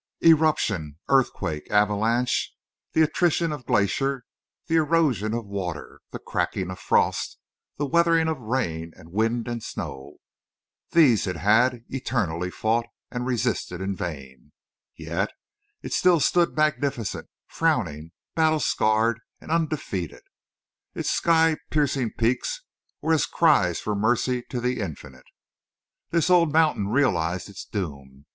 Eruption, earthquake, avalanche, the attrition of glacier, the erosion of water, the cracking of frost, the weathering of rain and wind and snow—these it had eternally fought and resisted in vain, yet still it stood magnificent, frowning, battle scarred and undefeated. Its sky piercing peaks were as cries for mercy to the Infinite. This old mountain realized its doom.